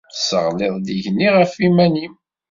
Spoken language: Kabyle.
Tesseɣliḍ-d igenni ɣef yiman-im.